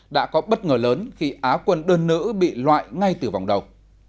đã có bất ngờ lớn khi á quân đơn nữ bị loại ngay từ vòng đầu